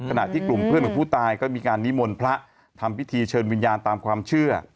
ขณะที่กลุ่มเพื่อนของผู้ตายก็มีการนิมนต์พระทำพิธีเชิญวิญญาณตามความเชื่อ